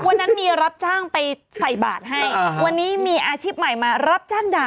วันนั้นมีรับจ้างไปใส่บาทให้วันนี้มีอาชีพใหม่มารับจ้างด่า